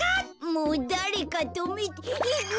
もうだれかとめてヒック！